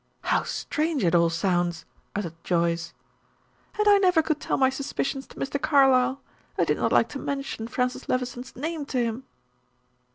"How strange it all sounds!" uttered Joyce. "And I never could tell my suspicions to Mr. Carlyle! I did not like to mention Francis Levison's name to him."